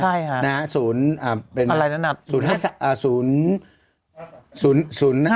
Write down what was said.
ใช่ค่ะนะฮะศูนย์อ่าเป็นอะไรนะนับศูนย์ห้าอ่าศูนย์ศูนย์